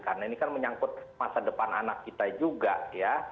karena ini kan menyangkut masa depan anak kita juga ya